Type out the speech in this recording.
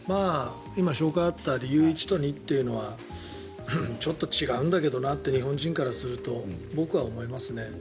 今、紹介があった理由１と２はちょっと違うんだけどなって日本人からすると僕は思いますね。